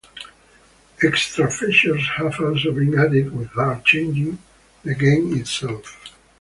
Extra features have also been added without changing the game itself.